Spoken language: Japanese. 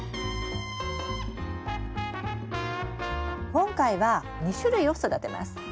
今回は２種類を育てます。